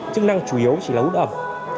chức năng chủ yếu chỉ là hút ẩm